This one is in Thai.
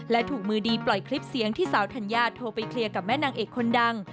และถูกมือดีปล่อยคลิปเสียงที่สาวธัญญาโทรไปเคลียร์กับแม่นางเอกคนดัง